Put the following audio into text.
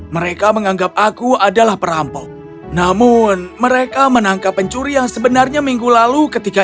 mereka menganggap aku adalah perampok namun mereka menangkap pencuri yang sebenarnya minggu lalu ketika